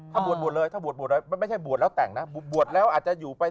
ถ้าบวชบวชเลยถ้าบวชบวชมันไม่ใช่บวชแล้วแต่งนะบวชแล้วอาจจะอยู่ไป